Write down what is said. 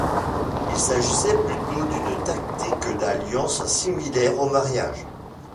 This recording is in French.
Il s'agissait plutôt d'une tactique d'alliances similaires aux mariages.